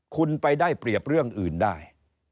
คุณไปได้เปรียบเรื่องอื่นได้